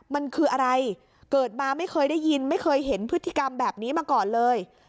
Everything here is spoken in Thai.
มันคืออะไรเกิดมาไม่เคยได้ยินไม่เคยเห็นพฤติกรรมแบบนี้มาก่อนเลย